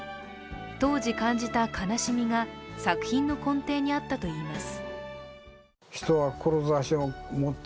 当時感じた悲しみが、作品の根底にあったといいます。